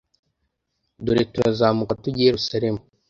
Dore turazamuka tujya i Yerusalemu